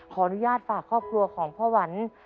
ขออนุญาตฝากครอบครัวของพ่อหวัน